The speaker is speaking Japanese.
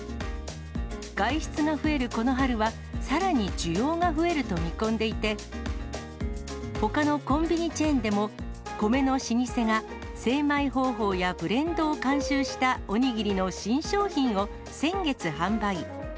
外出が増えるこの春は、さらに需要が増えると見込んでいて、ほかのコンビニチェーンでも、米の老舗が精米方法やブレンドを監修したおにぎりの新商品を、先月販売。